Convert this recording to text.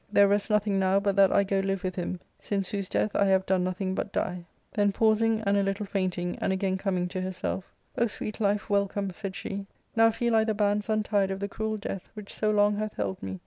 There rests nothing now but that I go live with him since whose death I have done nothing but die." Then pausing, and a little fainting, and again coming to herself, " Oh, sweet life, welcome," said she ;" now feel I the bands untied of the cruel death which so long hath held me.